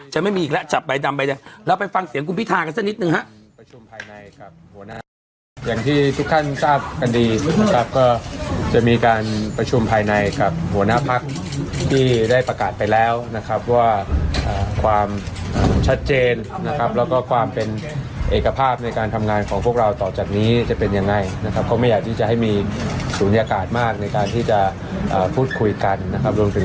หมายถึงว่าจะไม่มีอีกแล้วจับใบดำไปแล้วไปฟังเสียงกรุงพิธากันสักนิดนึงครับ